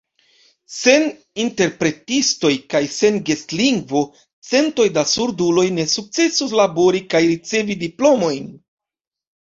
Sen interpretistoj kaj sen gestlingvo, centoj da surduloj ne sukcesus labori kaj ricevi diplomojn.